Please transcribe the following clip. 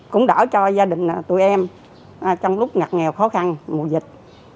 cũng đỡ cho gia đình tụi em trong lúc ngặt nghèo khó khăn mùa dịch